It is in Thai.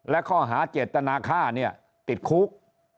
และข้อหาเจตนาฆ่าเนี่ยติดคุก